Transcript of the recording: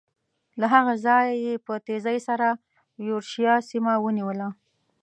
له هغه ځایه یې په تېزۍ سره یورشیا سیمه ونیوله.